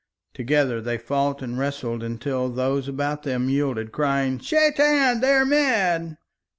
Together they fought and wrestled until those about them yielded, crying: "Shaitan! They are mad!"